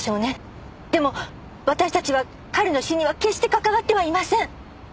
でも私たちは彼の死には決して関わってはいません！